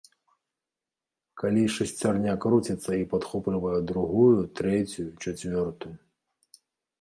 Калі шасцярня круціцца і падхоплівае другую, трэцюю, чацвёртую.